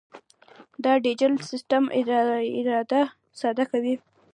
دا ډیجیټل سیسټم اداره ساده کوي.